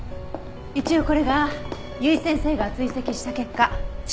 一応これが由井先生が追跡した結果。